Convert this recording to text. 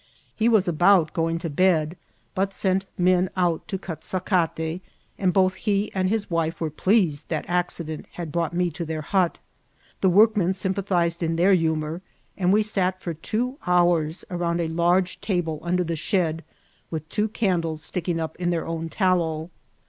He was about going to bed, but sent men out to cut sacate, and both he and his wife were pleased that accident had brought me to their hut. The work men sympadiiased in their humour, and we sat for two hours around a large table under the shed, with two candles sticking up in their own tallow.